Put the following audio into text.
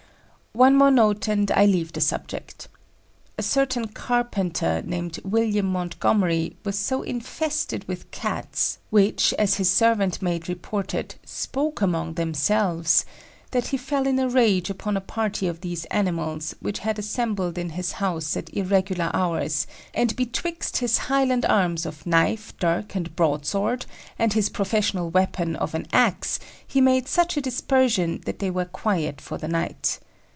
One more note and I leave the subject. A certain carpenter, named William Montgomery, was so infested with Cats, which, as his servant maid reported, "spoke among themselves," that he fell in a rage upon a party of these animals, which had assembled in his house at irregular hours, and betwixt his Highland arms of knife, dirk, and broadsword, and his professional weapon of an axe, he made such a dispersion that they were quiet for the night.